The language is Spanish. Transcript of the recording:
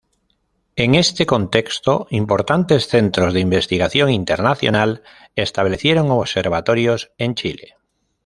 En este contexto importantes centros de investigación internacional establecieron observatorios en Chile.